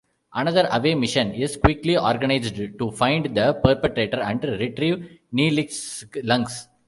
Another away mission is quickly organized to find the perpetrator and retrieve Neelix's lungs.